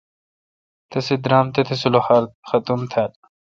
تیس درام تتی سلوخار ختُم تھال۔